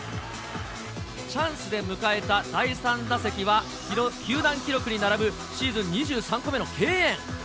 チャンスで迎えた第３打席は、球団記録に並ぶシーズン２３個目の敬遠。